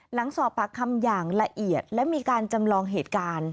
หลังสอบปากคำอย่างละเอียดและมีการจำลองเหตุการณ์